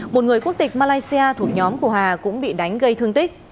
một người quốc tịch malaysia thuộc nhóm của hà cũng bị đánh gây thương tích